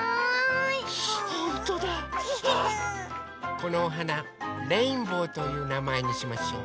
このおはなレインボーというなまえにしましょう。